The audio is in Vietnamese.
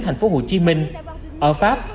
thành phố hồ chí minh ở pháp